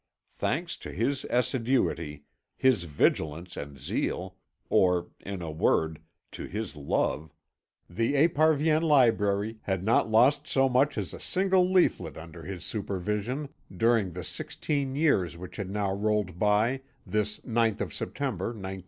Thanks to his assiduity, his vigilance and zeal, or, in a word, to his love, the Esparvienne library had not lost so much as a single leaflet under his supervision during the sixteen years which had now rolled by, this ninth of September, 1912.